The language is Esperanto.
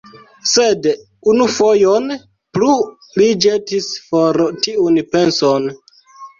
Sed unufojon plu li ĵetis for tiun penson.